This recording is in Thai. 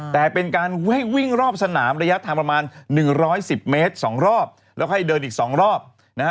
แต่เป็นการวิ่งรอบสนามระยะทางประมาณ๑๑๐เมตร๒รอบแล้วให้เดินอีก๒รอบนะฮะ